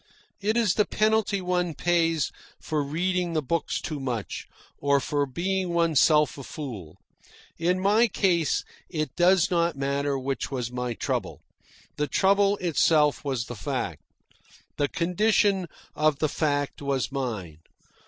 It is the penalty one pays for reading the books too much, or for being oneself a fool. In my case it does not matter which was my trouble. The trouble itself was the fact. The condition of the fact was mine.